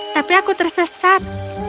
tapi aku tersesat